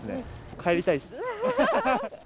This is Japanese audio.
帰りたいです。